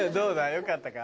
よかったか？